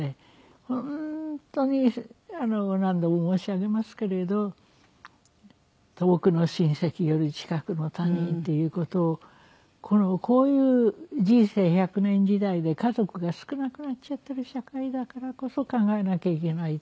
本当に何度も申し上げますけれど遠くの親戚より近くの他人っていう事をこのこういう人生１００年時代で家族が少なくなっちゃってる社会だからこそ考えなきゃいけないと。